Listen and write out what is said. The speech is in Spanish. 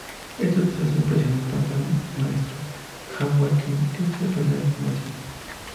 Este suceso impresionó tanto al Maestro Hwang Kee, que decidió aprender Artes Marciales.